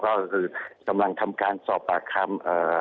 ก็คือกำลังทำการสอบปากคำ